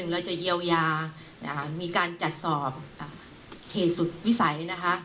๑เราจะเยียวยาการมีการจัดสอบเหตุสุดวิสัย